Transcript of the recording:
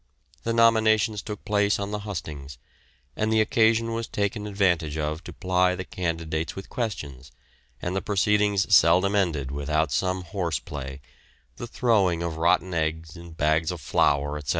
The nominations took place on the hustings, and the occasion was taken advantage of to ply the candidates with questions, and the proceedings seldom ended without some horse play, the throwing of rotten eggs and bags of flour, etc.